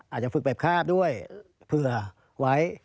อาจจะฝึกแบบคาบด้วยเผื่อไว้